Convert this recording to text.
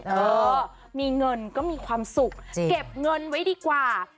เออมีเงินก็มีความสุขเก็บเงินไว้ดีกว่า